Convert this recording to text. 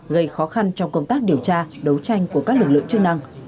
gây khó khăn trong công tác điều tra đấu tranh của các lực lượng chức năng